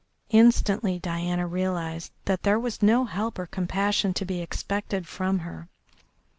Instantly Diana realised that there was no help or compassion to be expected from her.